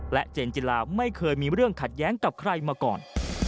เจนจิลาไม่เคยมีเรื่องขัดแย้งกับใครมาก่อน